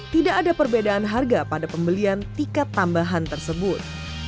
tidak ada perbedaan harga pada pembelian tiket tambahan tersebut